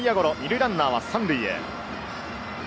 ２塁ランナーは３塁へ。